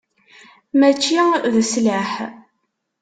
Mačči d sslaḥ.